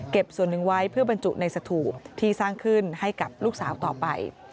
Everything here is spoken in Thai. ส่วนหนึ่งไว้เพื่อบรรจุในสถูปที่สร้างขึ้นให้กับลูกสาวต่อไป